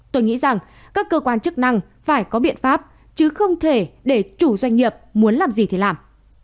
tôi nghĩ rằng các cơ quan chức năng phải có biện pháp chứ không thể để chủ doanh nghiệp muốn làm gì thì làm